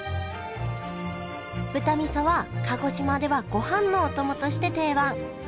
豚味噌は鹿児島ではごはんのお供として定番。